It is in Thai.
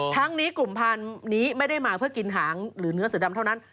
ทั้งนี้กลุ่มพันธุ์นี้ไม่ได้มาเพื่อกินหางหรือเนื้อเสือดำเท่านั้น